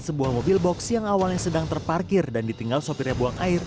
sebuah mobil box yang awalnya sedang terparkir dan ditinggal sopirnya buang air